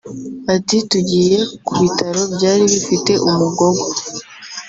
Ati “Tugiye ku bitaro byari bifite Umugogo